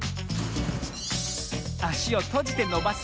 あしをとじてのばす。